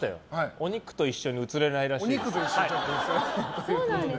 お肉と一緒に映れないらしいって。